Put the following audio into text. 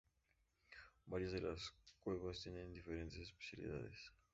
Varias de las cuevas tienen diferentes especialidades.